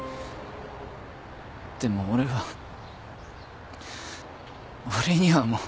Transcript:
でも俺は俺にはもう。